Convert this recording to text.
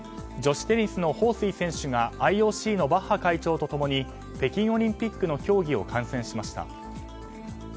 女子テニスのホウ・スイ選手がＩＯＣのバッハ会長と共に北京オリンピックの競技を観戦しました。